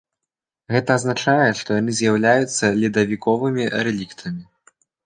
Гэта азначае, што яны з'яўляюцца ледавіковымі рэліктамі.